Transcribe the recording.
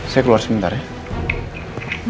saya keluar sementar ya